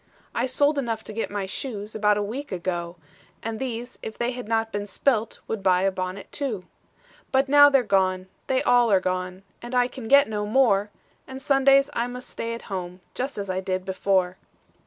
"'I sold enough to get my shoes, About a week ago; And these, if they had not been spilt, Would buy a bonnet, too. "'But now they're gone, they all are gone, And I can get no more, And Sundays I must stay at home, Just as I did before.'